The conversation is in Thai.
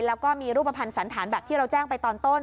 แล้วก็มีรูปภัณฑ์สันฐานแบบที่เราแจ้งไปตอนต้น